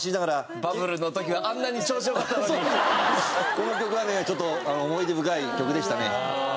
この曲はねちょっと思い出深い曲でしたね。